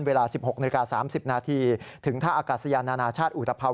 เวลา๑๖น๓๐นถึงท่าอากาศยานานาชาติอุตภัณฑ์